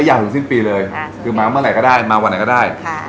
ยาวถึงสิ้นปีเลยคือมาเมื่อไหร่ก็ได้มาวันไหนก็ได้ค่ะ